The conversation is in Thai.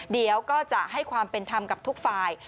เดี๋ยวก็จะให้ความเป็นธรรมกับทุกฝ่าย